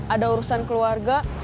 ada urusan keluarga